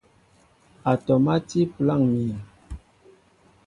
Atɔm á ti á pəláŋ myēn.